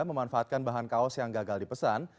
memanfaatkan bahan kaos yang gagal dipesan